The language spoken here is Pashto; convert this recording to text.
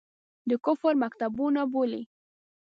د کفر مکتبونه بولي.